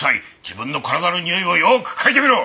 自分の体のにおいをよく嗅いでみろ！